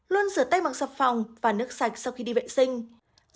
luôn rửa tay bằng sạp phòng và nước sạch sau khi đi vệ sinh